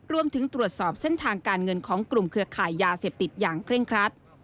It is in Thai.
รวมถึงตรวจสอบเส้นทางการเงินของกลุ่มเครือข่ายยาเสพติดอย่างเคร่งครัด